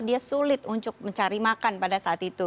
dia sulit untuk mencari makan pada saat itu